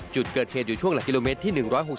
จุดเกิดเหตุอยู่ช่วงหลักกิโลเมตรที่๑๖๖